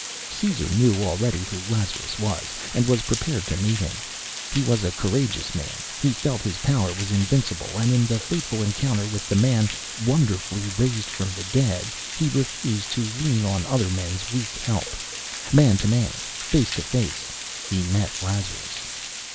Caesar knew already who Lazarus was, and was prepared to meet him. He was a courageous man; he felt his power was invincible, and in the fateful encounter with the man "wonderfully raised from the dead" he refused to lean on other men's weak help. Man to man, face to face, he met Lazarus.